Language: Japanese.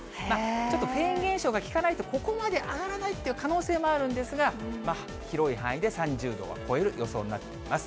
ちょっとフェーン現象が効かないとここまで上がらないという可能性もあるんですが、広い範囲で３０度は超える予想になっています。